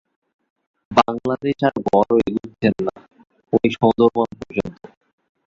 বাঙলা দেশ আর বড় এগুচ্চেন না, ঐ সোঁদরবন পর্যন্ত।